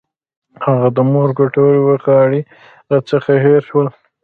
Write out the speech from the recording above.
هغه د مور د کټوۍ ورخاړي راڅخه هېر شول.